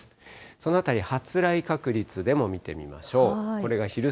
そのあたり、発雷確率でも見てみましょう。